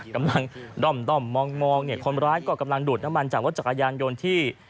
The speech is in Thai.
กำลังด้อมมองเนี่ยคนร้ายก็กำลังดูดน้ำมันจากรถจักรยานยนต์ที่